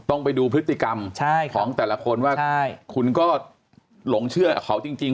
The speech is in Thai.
ต้องไปดูพฤติกรรมของแต่ละคนว่าคุณก็หลงเชื่อเขาจริง